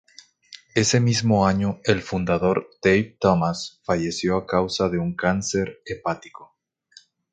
Ese mismo año, el fundador Dave Thomas falleció a causa de un cáncer hepático.